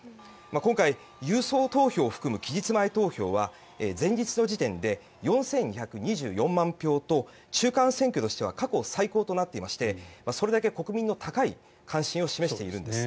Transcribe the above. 今回、郵送投票を含む期日前投票は前日の時点で４２２４万票と中間選挙としては過去最高となっていましてそれだけ国民の高い関心を示しているんです。